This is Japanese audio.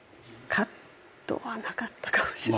カットはなかったかもしれない。